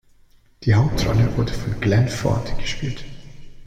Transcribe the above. Die Hauptrolle wurde von Glenn Ford gespielt.